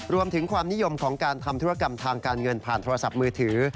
รวมถึงความนิยมของการทำธุรกรรมทางการเงินผ่านโทรศัพท์มือถือ